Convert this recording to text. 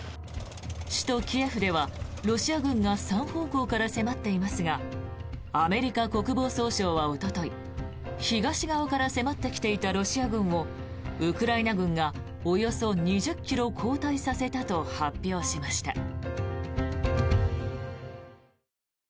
首都キエフではロシア軍が３方向から迫っていますがアメリカ国防総省はおととい東側から迫ってきたロシア軍をウクライナ軍がおよそ２０ｋｍ後退させたと発表しました。